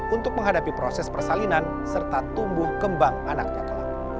untuk menghadapi proses persalinan serta tumbuh kembang anaknya kelak